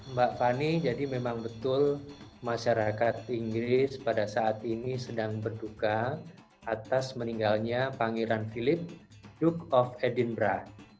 mbak fani jadi memang betul masyarakat inggris pada saat ini sedang berduka atas meninggalnya pangeran philip duke of edinburgh